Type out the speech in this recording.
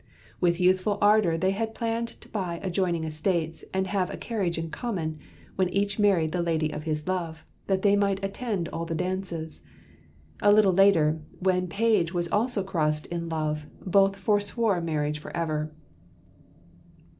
With youthful ardour they had planned to buy adjoining estates and have a carriage in common, when each married the lady of his love, that they might attend all the dances. A little later, when Page was also crossed in love, both forswore marriage forever.